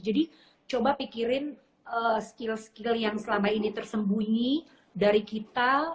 coba pikirin skill skill yang selama ini tersembunyi dari kita